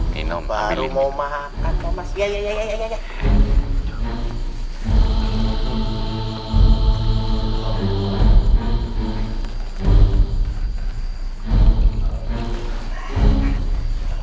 baru mau makan